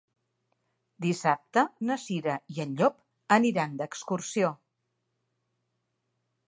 Dissabte na Cira i en Llop aniran d'excursió.